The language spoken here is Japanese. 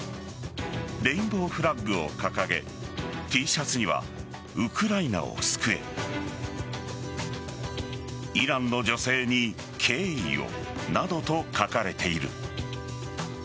レインボーフラッグを掲げＴシャツにはウクライナを救えイランの女性に敬意をなどと書かれている。